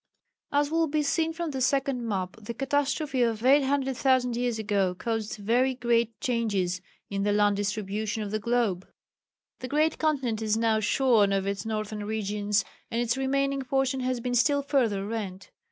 As will be seen from the second map the catastrophe of 800,000 years ago caused very great changes in the land distribution of the globe. The great continent is now shorn of its northern regions, and its remaining portion has been still further rent.